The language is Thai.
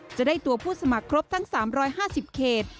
จะได้ตัวผู้สมัครครบทั้ง๓๕๐เขต